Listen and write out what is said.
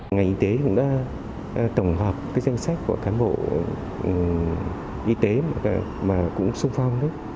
ngành y tế cũng đã tổng hợp dân sách của cả mộ y tế mà cũng xung phong